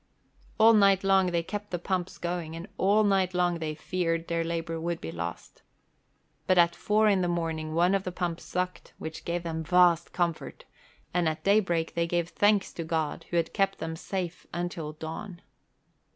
All night long they kept the pumps going and all night long they feared their labour would be lost. But at four in the morning one of the pumps sucked, which gave them vast comfort, and at daybreak they gave thanks to God, who had kept them safe until dawn.